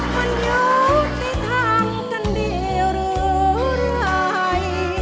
มันยากที่ทำกันดีหรืออะไร